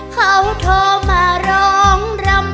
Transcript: เขาโทรมาร้อง